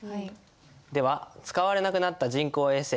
では使われなくなった人工衛星